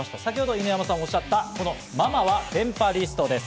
犬山さんがおっしゃった『ママはテンパリスト』です。